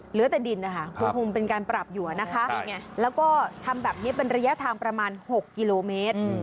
เหลือแต่ดินนะคะคงเป็นการปรับอยู่นะคะแล้วก็ทำแบบนี้เป็นระยะทางประมาณ๖กิโลเมตร